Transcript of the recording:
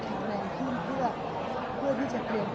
จริงแล้วก็ก็กลัวพูดช้าลง